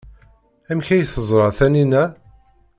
Amek ay teẓra Taninna?